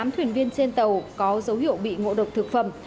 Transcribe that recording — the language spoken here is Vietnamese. một mươi tám thuyền viên trên tàu có dấu hiệu bị ngộ độc thực phẩm